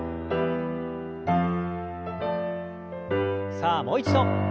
さあもう一度。